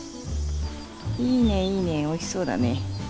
いいねいいねおいしそうだね。